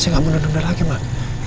saya gak mau nunda nunda lagi maaf